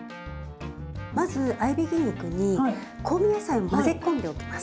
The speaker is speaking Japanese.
まず合いびき肉に香味野菜を混ぜ込んでおきます。